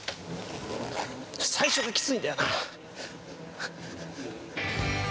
最初がきついんだよな。